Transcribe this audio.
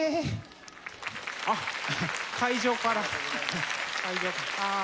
あっ会場から。